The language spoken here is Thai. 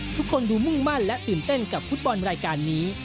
ทุกคนดูมุ่งมั่นและตื่นเต้นกับฟุตบอลรายการนี้